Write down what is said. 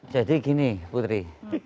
jadi gini putri